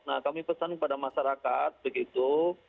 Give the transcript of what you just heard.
nah kami pesan kepada masyarakat begitu